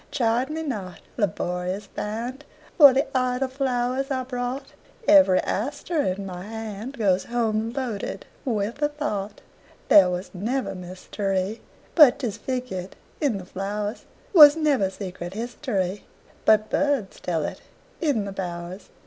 Chide me not, laborious band, For the idle flowers I brought; Every aster in my handGoes home loaded with a thought. There was never mysteryBut 'tis figured in the flowers; SWas never secret historyBut birds tell it in the bowers.